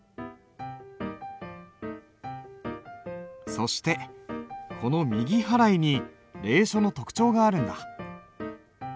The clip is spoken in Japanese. そしてこの右払いに隷書の特徴があるんだ。